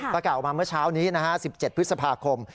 ประกาศออกมาเมื่อเช้านี้นะฮะ๑๗พฤษภาคม